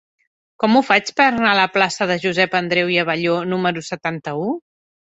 Com ho faig per anar a la plaça de Josep Andreu i Abelló número setanta-u?